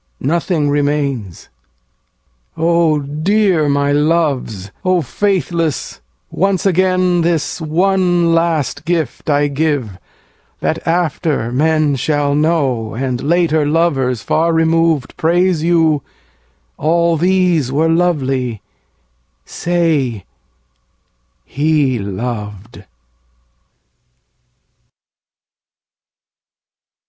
Nothing remains. O dear my loves, O faithless, once again This one last gift I give: that after men Shall know, and later lovers, far removed, Praise you, "All these were lovely"; say, "He loved."